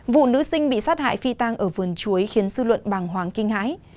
vụ nữ sinh bị sát hại phi tang ở vườn chuối khiến dư luận bàng hoàng kinh hãi